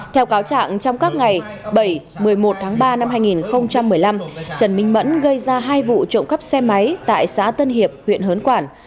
theo cáo trạng trong các ngày bảy một mươi một tháng ba năm hai nghìn một mươi năm trần minh mẫn gây ra hai vụ trộm cắp xe máy tại xã tân hiệp huyện hớn quản